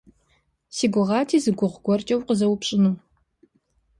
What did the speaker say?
Си гугъати зы гугъу гуэркӀэ укъызэупщӀыну.